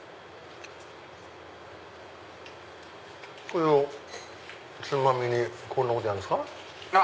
これをつまみにこんなことやるんですか。